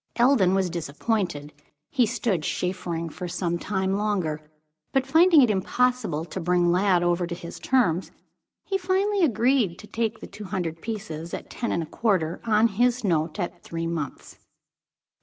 Eldon was disappointed. He stood chaffering for some time longer; but finding it impossible to bring Lladd over to his terms, he finally agreed to take the two hundred pieces at ten and a quarter, on his note at three months.